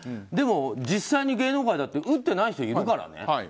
でも、実際に芸能界だって打ってない人いるからね。